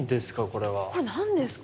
これ何ですか？